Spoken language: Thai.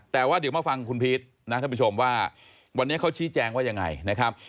แต่ว่าเดี๋ยวมาฟังคุณพีชนะท่านผู้ชมว่าวันนี้เขาชี้แจงว่ายังไงนะครับ